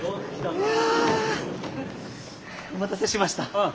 いや。お待たせしました。